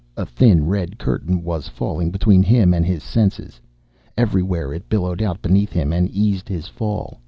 A thin red curtain was falling between him and his senses. Everywhere it billowed out beneath him and eased his fall.